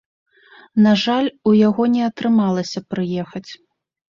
На жаль, у яго не атрымалася прыехаць.